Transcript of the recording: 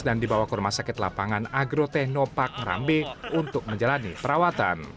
dan dibawa ke rumah sakit lapangan agro technopark rambe untuk menjalani perawatan